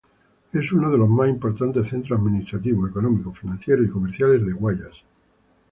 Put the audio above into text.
Es uno de los más importantes centros administrativos, económicos, financieros y comerciales de Guayas.